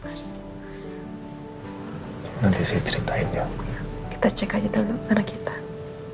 nanti saya ceritain ya kita cek aja dulu anak kita